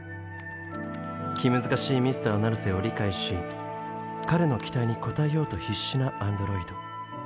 気難しいＭｒ．ナルセを理解し彼の期待に応えようと必死なアンドロイド。